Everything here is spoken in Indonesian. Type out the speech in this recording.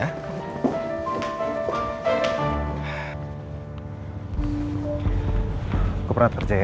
kamu berangkat kerja ya